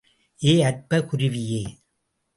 ஏ அற்பக் குருவியே!